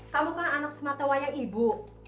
kamu kan anak sematawayang ibu